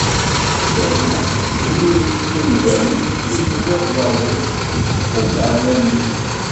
Yerna, segmi i yetett imdanen i yettzad laẓ-is, ibeqqu daɣen ad yečč.